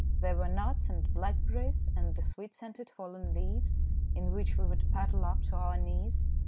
There were nuts and blackberries, and the sweet scented fallen leaves, in which we would paddle up to our knees.